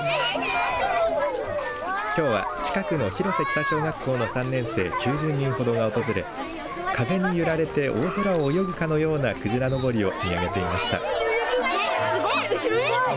きょうは近くの広瀬北小学校の３年生９０人ほどが訪れ風に揺られて大空を泳ぐかのようなくじらのぼりを見上げていました。